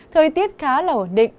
thời tiết khá là ổn định